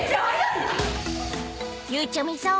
［ゆうちゃみさん